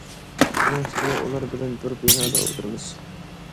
ئۇنىڭ ئۈستىگە، ئۇلار بىلەن بىر بىنادا ئولتۇرىمىز.